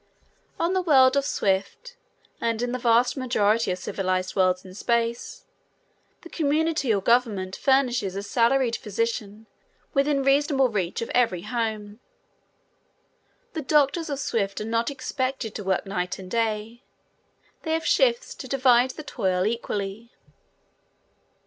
On the world of Swift and in the vast majority of civilized worlds in space, the community or government furnishes a salaried physician within reasonable reach of every home. The doctors of Swift are not expected to work night and day. They have shifts to divide the toil equally.